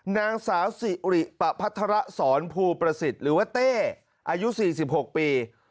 นางสาวสิริปะพัฒระสอนภูประสิทธิ์หรือว่าเต้อายุ๔๖ปี